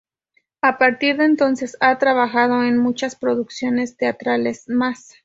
A partir de entonces ha trabajado en muchas producciones teatrales más.